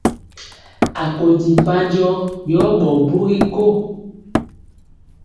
Akondi mpanjɔ yɔ ɓɔɔ bugi ko.